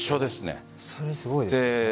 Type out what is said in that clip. それはすごいですね。